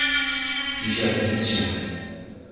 بیش از بیست شهر